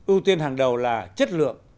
ưu tiên hàng đầu là chất lượng